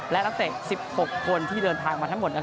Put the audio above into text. และนักเตะ๑๖คนที่เดินทางมาทั้งหมด